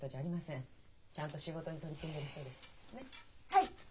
はい。